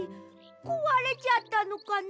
こわれちゃったのかな？